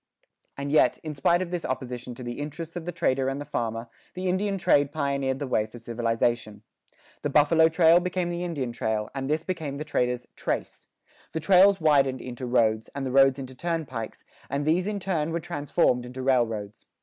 And yet, in spite of this opposition of the interests of the trader and the farmer, the Indian trade pioneered the way for civilization. The buffalo trail became the Indian trail, and this became the trader's "trace;" the trails widened into roads, and the roads into turnpikes, and these in turn were transformed into railroads.